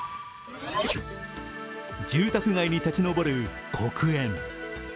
住宅街に立ち上る黒煙。